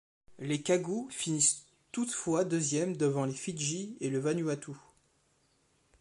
Les Cagous finissent toutefois deuxième devant les Fidji et le Vanuatu.